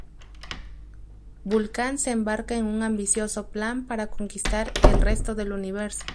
Vulcan se embarca en un ambicioso plan para conquistar el resto del universo.